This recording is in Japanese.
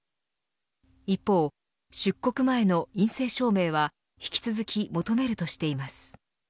一方、出国前の陰性証明は引き続き求めるとしています。